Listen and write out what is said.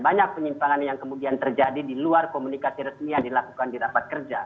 banyak penyimpangan yang kemudian terjadi di luar komunikasi resmi yang dilakukan di rapat kerja